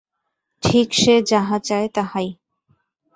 ঠিক সে যাহা চায় তাহাই।